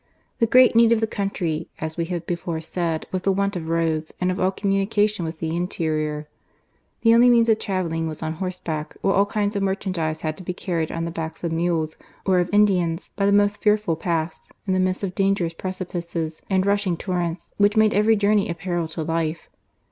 The great need of the country, as we have before said, was the want of roads, and of all communica tion with the interior. The only means of travelling was on horseback; while all kinds of merchandise had to be carried on the backs of mules or of Indians by the most fearful paths, in the midst of dangerous precipices and rushing torrents, which made every journey a peril to life.